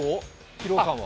疲労感は。